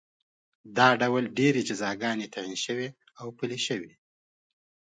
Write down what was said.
دا ډول ډېرې جزاګانې تعین او پلې شوې